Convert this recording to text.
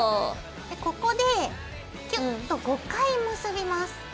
ここでキュッと５回結びます。